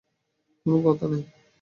কোনো কথা নেই।